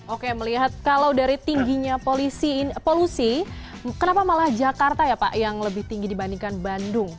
oke melihat kalau dari tingginya polusi kenapa malah jakarta ya pak yang lebih tinggi dibandingkan bandung